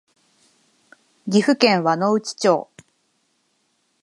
岐阜県輪之内町